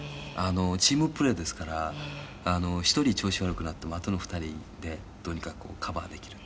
チームプレーですから１人、調子悪くなってもあとの２人でどうにかカバーできる。